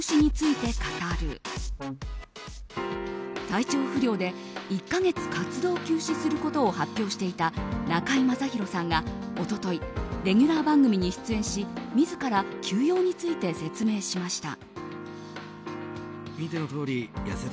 体調不良で１か月活動休止することを発表していた中居正広さんが一昨日、レギュラー番組に出演し自ら休養について説明しました。